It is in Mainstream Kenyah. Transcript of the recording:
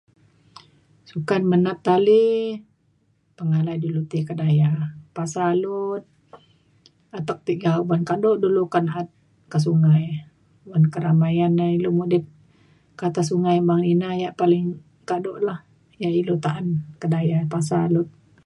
sukat menat tali pengalai dulu ti kedaya pesalut atek tiga uban kado dulu kan ke sungai uban keramaian na ilu mudip memang ina yak paling kado lah yak ilu ta’an kedaya pesalut.